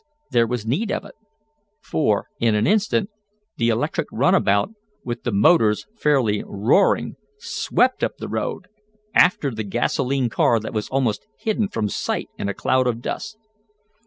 There was need of it, for, in an instant, the electric runabout, with the motors fairly roaring, swept up the road, after the gasolene car that was almost hidden from sight in a cloud of dust.